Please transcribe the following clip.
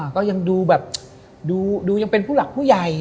ก็ยังดูแบบดูยังเป็นผู้หลักผู้ใหญ่